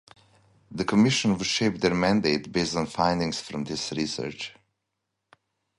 The Commission would shape their mandate based on findings from this research.